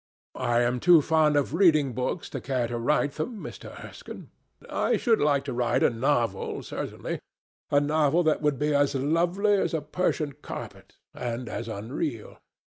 "I am too fond of reading books to care to write them, Mr. Erskine. I should like to write a novel certainly, a novel that would be as lovely as a Persian carpet and as unreal.